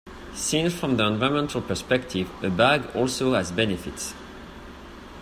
Seen from the environmental perspective, a bag also has benefits.